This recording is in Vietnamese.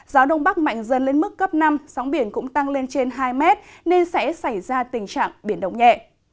gió đông bắc mạnh dần lên mức cấp năm sóng biển cũng tăng lên trên hai mét nên sẽ xảy ra tình trạng biển động nhẹ